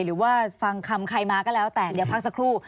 หรือว่าฟังคำใครมาก็แล้วแต่เดี๋ยวพักสักครู่